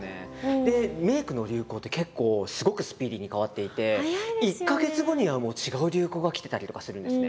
メイクの流行って結構すごくスピーディーに変わっていて１か月後にはもう違う流行がきてたりとかするんですね。